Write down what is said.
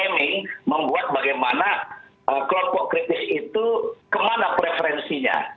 ini membuat bagaimana kelompok kritis itu kemana preferensinya